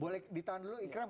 boleh ditahan dulu ikram